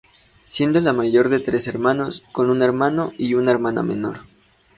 Siendo la mayor de tres hermanos, con un hermano y una hermana menor.